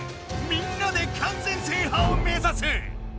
みんなで完全制覇を目指す！